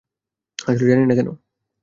আসলে জানিনা কেন?